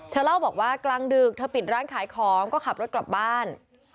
เล่าบอกว่ากลางดึกเธอปิดร้านขายของก็ขับรถกลับบ้าน